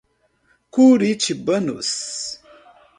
Curitibanos